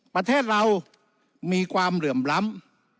ประเทศเรามีความเหลื่อมล้ำ